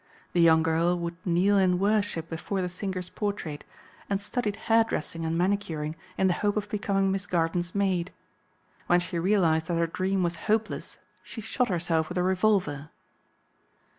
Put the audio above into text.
The young girl would kneel in worship before the singer's portrait, and studied hairdressing and manicuring in the hope of becoming Miss Garden's maid. When she realized that her dream was hopeless she shot herself with a revolver.